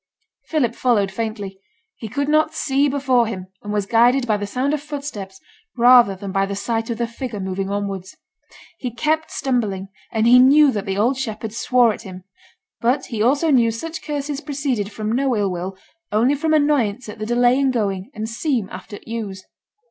Philip followed faintly. He could not see before him, and was guided by the sound of footsteps rather than by the sight of the figure moving onwards. He kept stumbling; and he knew that the old shepherd swore at him; but he also knew such curses proceeded from no ill will, only from annoyance at the delay in going and 'seem' after t' ewes.'